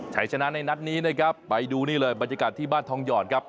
ใช้ชนะในนัดนี้นะครับไปดูนี่เลยบรรยากาศที่บ้านทองหยอดครับ